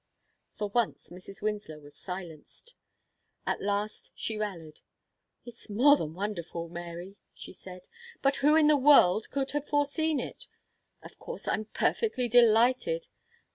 For once Mrs. Winslow was silenced. At last she rallied. "It's more than wonderful, Mary," she said, "but who in the world could have foreseen it? Of course, I'm perfectly delighted.